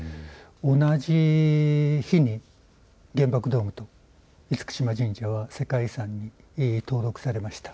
同じ日に原爆ドームと厳島神社、世界遺産に登録されました。